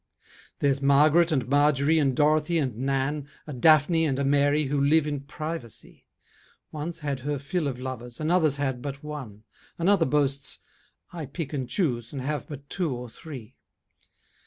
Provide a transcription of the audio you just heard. There's Margaret and Marjorie and Dorothy and Nan, A Daphne and a Mary who live in privacy; One's had her fill of lovers, another's had but one, Another boasts, 'I pick and choose and have but two or three.'